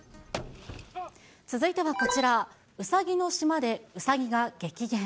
続いてはこちら、ウサギの島でウサギが激減。